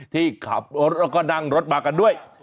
ที่ขับรถแล้วก็นั่งรถมากันด้วย